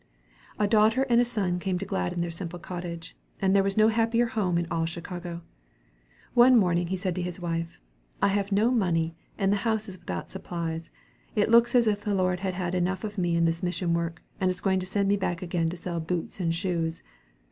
A daughter and a son came to gladden their simple cottage, and there was no happier home in all Chicago. One morning he said to his wife, "I have no money, and the house is without supplies. It looks as if the Lord had had enough of me in this mission work, and is going to send me back again to sell boots and shoes."